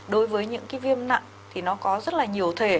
đối với những cái viêm nặng thì nó có rất là nhiều thể